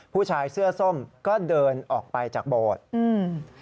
ผู้ชายเสื้อส้มก็เดินออกไปจากโบสถ์อืม